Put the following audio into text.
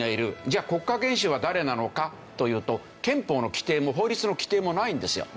じゃあ国家元首は誰なのかというと憲法の規定も法律の規定もないんですよ。